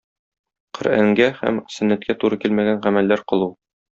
Коръәнгә һәм сөннәткә туры килмәгән гамәлләр кылу.